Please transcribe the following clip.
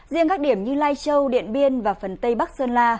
riêng các điểm như lai châu điện biên và phần tây bắc sơn la